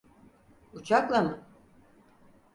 Uçakla mı?